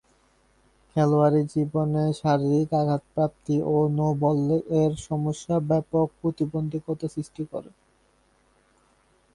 খেলোয়াড়ী জীবনে শারীরিক আঘাতপ্রাপ্তি ও নো-বলের সমস্যা ব্যাপক প্রতিবন্ধকতা সৃষ্টি করে।